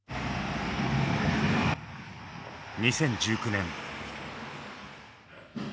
２０１９年。